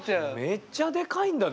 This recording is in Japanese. めっちゃでかいんだね。